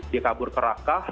dia kabur ke rakah